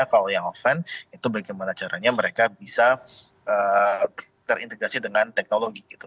kalau yang offense itu bagaimana caranya mereka bisa terintegrasi dengan teknologi gitu